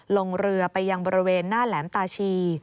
ลงเรือไปยังบริเวณหน้าแหลมตาชี